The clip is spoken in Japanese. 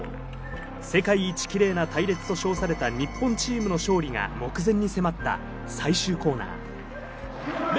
世界一キレイな隊列と称された日本チームの勝利が目前に迫った最終コーナー。